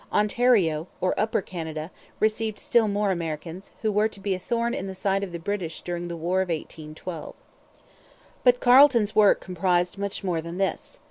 Ontario, or Upper Canada, received still more Americans, who were to be a thorn in the side of the British during the War of 1812. But Carleton's work comprised much more than this.